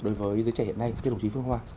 đối với giới trẻ hiện nay thưa đồng chí phương hoa